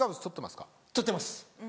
取ってます。